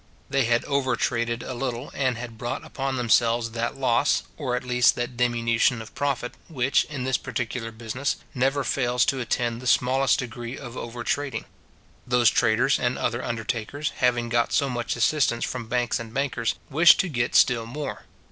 They had over traded a little, and had brought upon themselves that loss, or at least that diminution of profit, which, in this particular business, never fails to attend the smallest degree of over trading. Those traders and other undertakers, having got so much assistance from banks and bankers, wished to get still more.